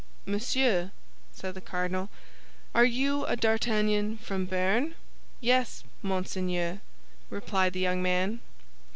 "Monsieur," said the cardinal, "are you a D'Artagnan from Béarn?" "Yes, monseigneur," replied the young man.